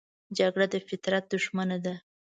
جګړه د فطرت دښمنه ده